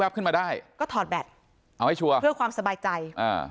ขึ้นมาได้ก็ถอดแบตเอาให้ชัวร์เพื่อความสบายใจอ่า